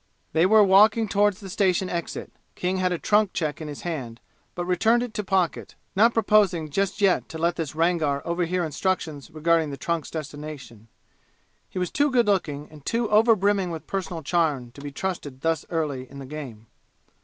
They were walking toward the station exit. King had a trunk check in his hand, but returned it to pocket, not proposing just yet to let this Rangar over hear instructions regarding the trunk's destination; he was too good looking and too overbrimming with personal charm to be trusted thus early in the game.